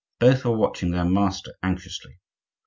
Both were watching their master anxiously.